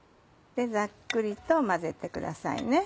ざっくりと混ぜてくださいね。